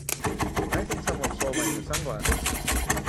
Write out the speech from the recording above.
I think someone stole my new sunglassses!